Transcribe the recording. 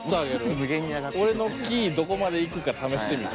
俺のキーどこまでいくか試してみる？